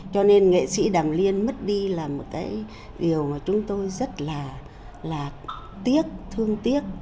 cho nên nghệ sĩ đàm liên mất đi là một cái điều mà chúng tôi rất là tiếc thương tiếc